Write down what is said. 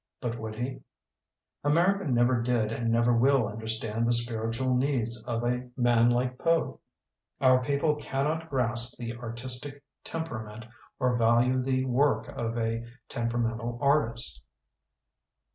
But would he? "America never did and never will understand the spiritual needs of a 84 THE BOOKMAN man like Poe. Our people cannot grasp the artistic temperament or value the work of a temperamental artist.